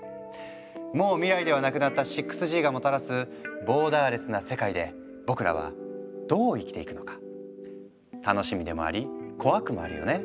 もう未来ではなくなった６Ｇがもたらすボーダーレスな世界で僕らはどう生きていくのか楽しみでもあり怖くもあるよね。